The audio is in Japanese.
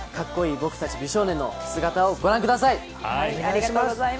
僕たち、美少年の姿をご覧ください！